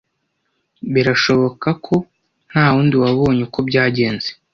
Birashoboka ko ntawundi wabonye uko byagenze.